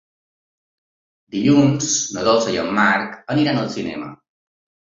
Dilluns na Dolça i en Marc iran al cinema.